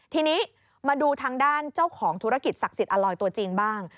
ทีนี้มาดูทางด้านเจ้าของธุรกิจศักดิ์สิทธิอลอยตัวจริงบ้าง